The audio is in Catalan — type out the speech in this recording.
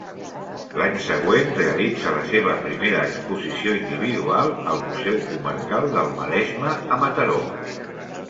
L'any següent realitza la seva primera exposició individual al Museu Comarcal del Maresme a Mataró.